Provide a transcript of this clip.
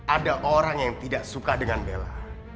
ada orang yang tidak suka dengan bella